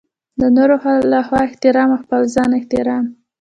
د نورو لخوا احترام او خپل ځانته احترام.